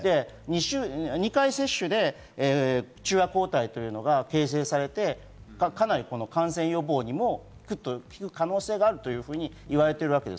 ２回接種で中和抗体が形成されて感染予防にも効く可能性があると言われているわけです。